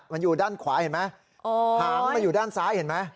มันอยู่ด้านขวาเห็นไหมหางมันอยู่ด้านซ้ายเห็นไหม